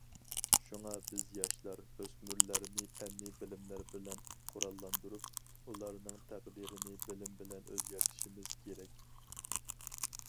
شۇڭا، بىز ياشلار، ئۆسمۈرلەرنى پەننىي بىلىملەر بىلەن قوراللاندۇرۇپ، ئۇلارنىڭ تەقدىرىنى بىلىم بىلەن ئۆزگەرتىشىمىز كېرەك.